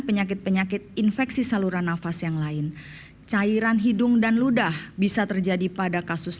penyakit penyakit infeksi saluran nafas yang lain cairan hidung dan ludah bisa terjadi pada kasus